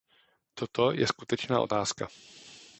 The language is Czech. Toto je skutečná otázka.